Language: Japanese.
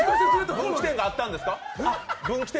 分岐点があったんですか？